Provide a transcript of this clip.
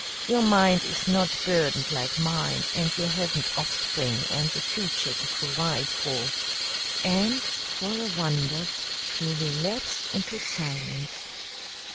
Your mind is not burdened like mine, and you haven't offspring and the future to provide for," and, for a wonder, she relapsed into silence.